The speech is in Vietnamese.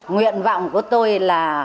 nguyện vọng của tôi là